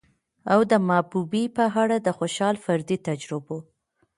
او د محبوبې په اړه د خوشال فردي تجربو